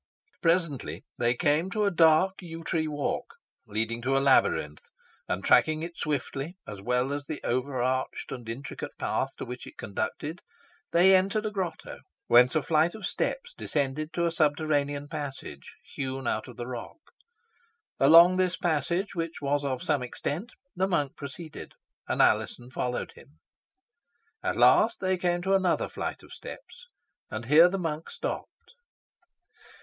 Presently they came to a dark yew tree walk, leading to a labyrinth, and tracking it swiftly, as well as the overarched and intricate path to which it conducted, they entered a grotto, whence a flight of steps descended to a subterranean passage, hewn out of the rock. Along this passage, which was of some extent, the monk proceeded, and Alizon followed him. At last they came to another flight of steps, and here the monk stopped.